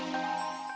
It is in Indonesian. ini beresnya dulu aja